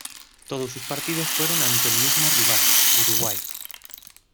Todos sus partidos fueron ante el mismo rival, Uruguay.